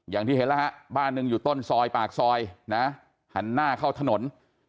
อย่างที่เห็นแล้วฮะบ้านหนึ่งอยู่ต้นซอยปากซอยนะหันหน้าเข้าถนน